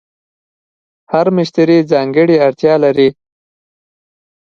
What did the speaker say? هر مشتری ځانګړې اړتیا لري.